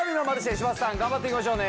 柴田さん頑張って行きましょうね。